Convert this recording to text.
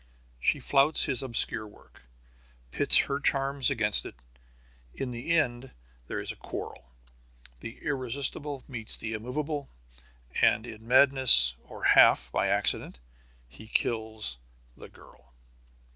She flouts his obscure work, pits her charms against it. In the end there is a quarrel. The irresistible meets the immovable, and in madness or half by accident, he kills the girl.